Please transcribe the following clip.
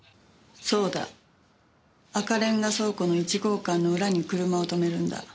そうだ赤レンガ倉庫の１号館の裏に車を止めるんだ。